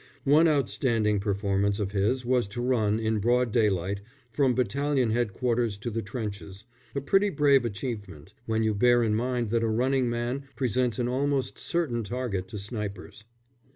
One outstanding performance of his was to run, in broad daylight, from battalion headquarters to the trenches a pretty brave achievement, when you bear in mind that a running man presents an almost certain target to snipers.